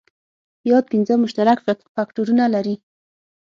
یاد پنځه مشترک فکټورونه لري.